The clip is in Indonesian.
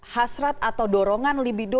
hasrat atau dorongan libido